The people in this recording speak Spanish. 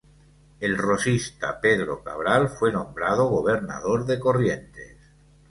El rosista Pedro Cabral fue nombrado gobernador de Corrientes.